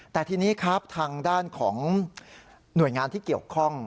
แต่ทีนี้ครับทางด้านของหน่วยงานที่เกี่ยวข้อง